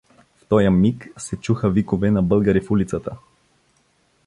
В тоя миг се чуха викове на българи в улицата.